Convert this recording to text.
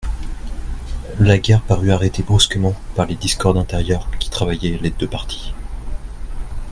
La guerre parut arrêtée brusquement par les discordes intérieures qui travaillaient les deux partis.